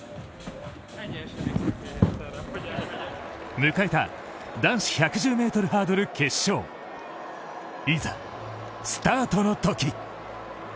迎えた男子１１０ｍハードル決勝、いざスタートの時。